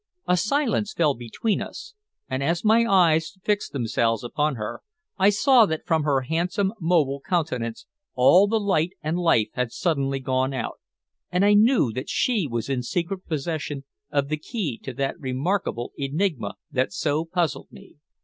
A silence fell between us, and as my eyes fixed themselves upon her, I saw that from her handsome mobile countenance all the light and life had suddenly gone out, and I knew that she was in secret possession of the key to that remarkable enigma that so puzzled me.